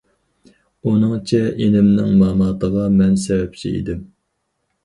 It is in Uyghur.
ئۇنىڭچە ئىنىمنىڭ ماماتىغا مەن سەۋەبچى ئىدىم.